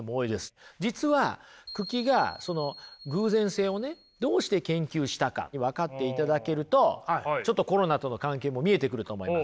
実は九鬼がその偶然性をねどうして研究したか分かっていただけるとちょっとコロナとの関係も見えてくると思います